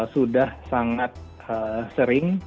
sudah sangat sering